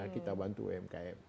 kita bantu umkm